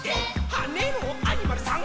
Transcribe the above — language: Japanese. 「はねろアニマルさん！」